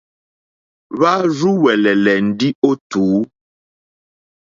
Hwá rzúwɛ̀lɛ̀lɛ̀ ndí ó tǔ.